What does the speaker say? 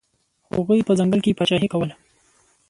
هغوی په ځنګل کې پاچاهي کوله.